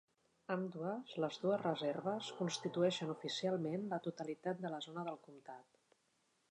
Ambdues, les dues reserves constitueixen oficialment la totalitat de la zona del comtat.